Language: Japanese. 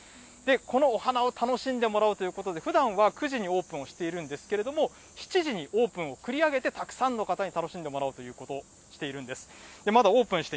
このお花を楽しんでもらおうということで、ふだんは９時にオープンをしているんですけれども、７時にオープンを繰り上げてたくさんの方に楽しんでもらおうということをしているんです。